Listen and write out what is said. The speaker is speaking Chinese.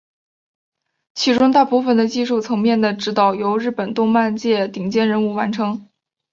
其中大部分的技术层面的指导由日本动画界顶尖人物完成。